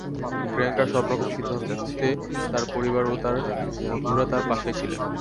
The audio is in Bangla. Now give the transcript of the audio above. প্রিয়াঙ্কার সব রকম সিদ্ধান্তে তাঁর পরিবার ও বন্ধুরা তাঁর পাশেই ছিলেন।